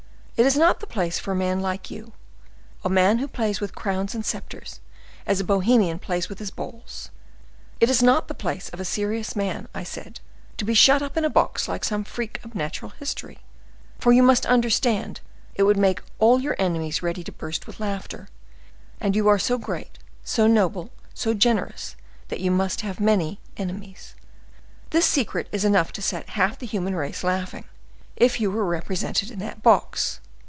it is not the place for a man like you, a man who plays with crowns and scepters as a Bohemian plays with his balls; it is not the place of a serious man, I said, to be shut up in a box like some freak of natural history; for you must understand it would make all your enemies ready to burst with laughter, and you are so great, so noble, so generous, that you must have many enemies. This secret is enough to set half the human race laughing, if you were represented in that box.